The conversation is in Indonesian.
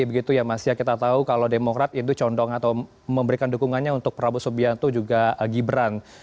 begitu ya mas ya kita tahu kalau demokrat itu condong atau memberikan dukungannya untuk prabowo subianto juga gibran